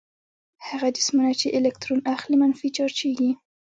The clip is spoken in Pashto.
هغه جسمونه چې الکترون اخلي منفي چارجیږي.